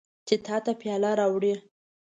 چې تا ته پیاله راوړي.